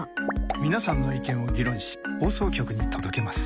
皆さんの意見を議論し放送局に届けます。